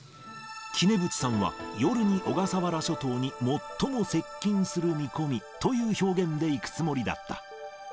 杵渕さんは、夜に小笠原諸島に最も接近する見込みという表現でいくつもりだった。